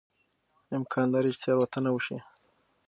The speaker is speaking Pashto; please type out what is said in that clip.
امکان لري چې تېروتنه وشي.